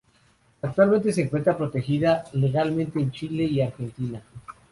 Actualmente se encuentra protegida legalmente en Chile y Argentina.